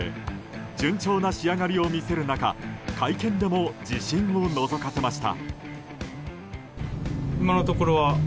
順調な仕上がりを見せる中会見でも自信をのぞかせました。